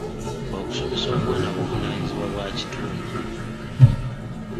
Okusomesa omwana buvunaanyizibwa bwa kitundu.